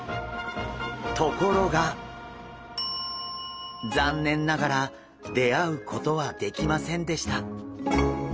ところが残念ながら出会うことはできませんでした。